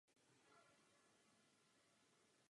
Žije v Pise v Itálii.